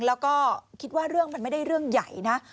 แล้วก็คิดว่าเรื่องมันไม่ได้เรื่องใหญ่นะ